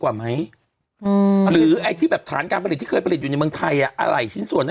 กว่าไหมอืมหรือไอ้ที่แบบฐานการผลิตที่เคยผลิตอยู่ในเมืองไทยอ่ะอะไรชิ้นส่วน